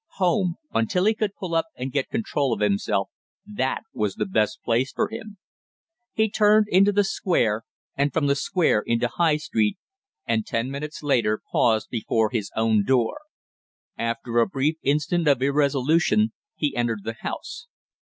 Home until he could pull up and get control of himself, that was the best place for him! He turned into the Square, and from the Square into High Street, and ten minutes later paused before his own door. After a brief instant of irresolution he entered the house.